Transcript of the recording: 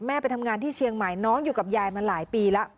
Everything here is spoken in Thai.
ไปทำงานที่เชียงใหม่น้องอยู่กับยายมาหลายปีแล้ว